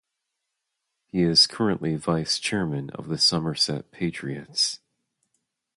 He is currently Vice Chairman of the Somerset Patriots.